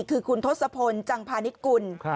คือคุณทศพลจังพาณิตกุล